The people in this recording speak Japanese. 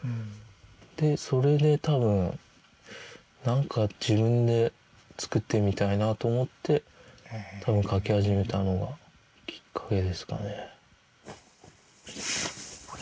でそれで多分何か自分で作ってみたいなと思って多分描き始めたのがきっかけですかね。